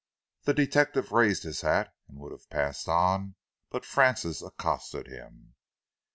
The detective raised his hat and would have passed on, but Francis accosted him.